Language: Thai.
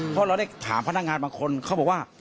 เพราะเราได้ถามพนักงานบางคนเขาบอกว่า